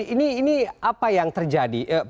ini apa yang terjadi